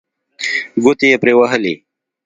ګوتې یې پرې ووهلې.